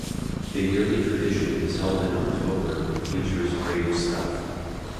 The yearly tradition is held in October and features rave stuff.